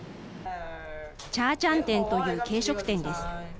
チャーチャンテンという軽食店です。